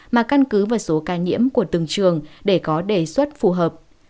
mà căn cứ vào số ca nhiễm của từng trường để có đề xuất phù hợp